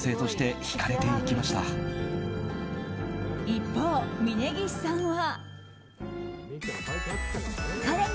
一方、峯岸さんは。